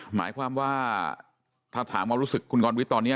หมายความว่าถามว่ารู้สึกคุณกรณภิกษ์ตอนนี้